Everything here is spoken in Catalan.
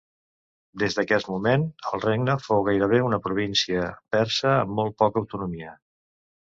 Des d'aquest moment el regne fou gairebé una província persa, amb molt poca autonomia.